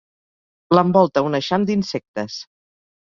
L'envolta un eixam d'insectes.